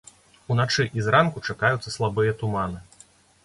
Уначы і зранку чакаюцца слабыя туманы.